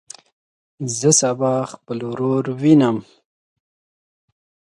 زه به سبا خپل ورور ووینم.